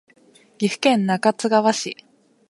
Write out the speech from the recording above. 岐阜県中津川市